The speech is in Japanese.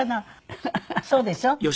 そうでしょ？